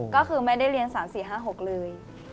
ก็คือไม่ได้เรียน๓๔๕๖เลย